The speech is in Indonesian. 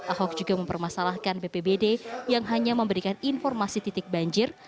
ahok juga mempermasalahkan bpbd yang hanya memberikan informasi titik banjir